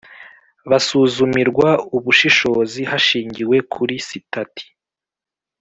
Basuzumirwa Ubushobozi Hashingiwe Kuri Sitati